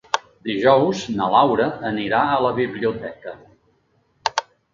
Dijous na Laura anirà a la biblioteca.